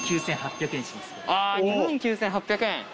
あ２万９８００円。